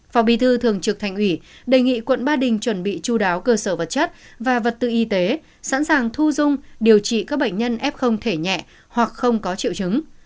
phó bí thư thường trực thành ủy đề nghị quận ba đình chuẩn bị chú đáo cơ sở vật chất và vật tư y tế sẵn sàng thu dung điều trị các bệnh nhân f thể nhẹ hoặc không có triệu chứng